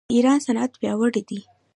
د ایران صنعت پیاوړی دی.